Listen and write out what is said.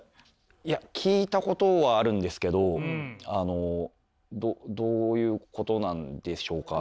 いや聞いたことはあるんですけどあのどういうことなんでしょうか？